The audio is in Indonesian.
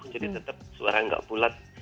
jadi tetap suara nggak pulat